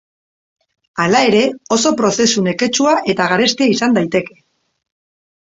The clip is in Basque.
Hala ere, oso prozesu neketsua eta garestia izan daiteke.